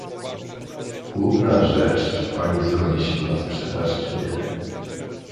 "Główna rzecz, czy pani zgodzi się na sprzedaż, czy nie?"